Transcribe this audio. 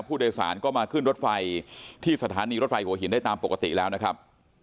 ผู้โดยสารก็มาขึ้นรถไฟที่สถานีรถไฟหัวหินได้ตามปกติแล้วนะครับ